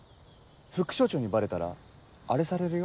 副署長にバレたらアレされるよ。